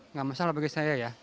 nggak masalah bagi saya ya